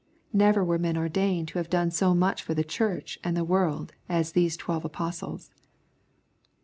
Never were men ordained who have done so much for the church and the world as these twelve apostles.